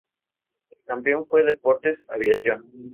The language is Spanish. El campeón fue Deportes Aviación.